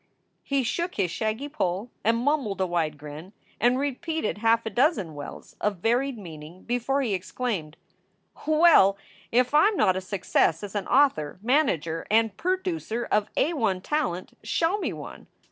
He shook his shaggy poll and mumbled a wide grin, and repeated half a dozen Well s of varied meaning, before he exclaimed : "Well, if I m not a success as an author, manager, and perdoocer of A i talent, show me one.